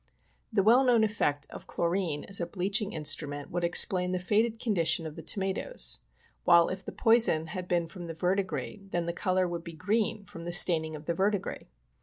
The well known effect of chlorine as a bleaching instru ment would explain the faded condition of the tomatoes, while if the poison had been from the verdigris, then the color would be green from the staining of the verdigris.